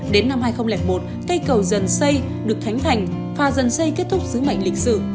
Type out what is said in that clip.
đến năm hai nghìn một cây cầu dần xây được khánh thành và dần xây kết thúc sứ mệnh lịch sử